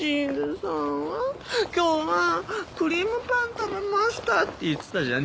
「今日はクリームパン食べました」って言ってたじゃん。